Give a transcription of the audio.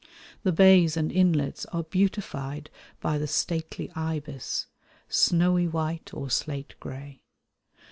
The bays and inlets are beautified by the stately ibis, snowy white or slate grey.